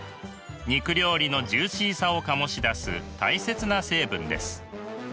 肉料理のジューシーさを醸し出す大切な成分です。